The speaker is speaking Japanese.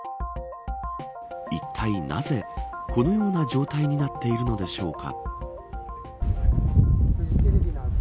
いったい、なぜ、このような状態になっているのでしょうか。